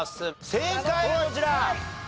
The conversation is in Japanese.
正解こちら。